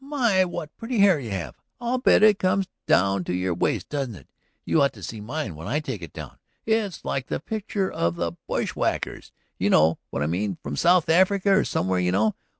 My, what pretty hair you have; I'll bet it comes down to your waist, doesn't it? You ought to see mine when I take it down; it's like the pictures of the bush whackers ... you know what I mean, from South Africa or somewhere, you know